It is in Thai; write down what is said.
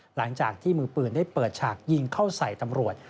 หลังจากที่มือปืนได้เปิดฉากยิงเข้าใส่ตำรวจ